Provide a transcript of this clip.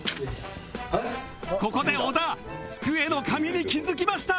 ここで小田机の紙に気付きました